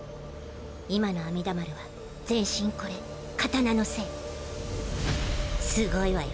今の阿弥陀丸は全身これ刀の精すごいわよ。